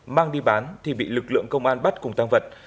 mang đi bán thì bị lực lượng công an bắt cùng tăng vật